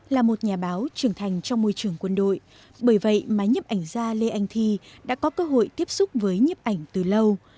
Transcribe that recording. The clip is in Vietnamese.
là một nhà báo trưởng thành trong môi trường quân đội bởi vậy mà nhấp ảnh gia lê anh thi đã có cơ hội tiếp xúc với nhiếp ảnh từ lâu